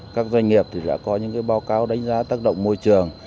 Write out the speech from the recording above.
các doanh nghiệp đã có những báo cáo đánh giá tác động môi trường